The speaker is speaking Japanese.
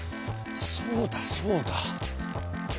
そうだそうだ。